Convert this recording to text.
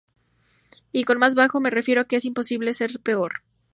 Y con "más bajo" me refiero a que es imposible ser peor.